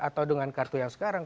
atau dengan kartu yang sekarang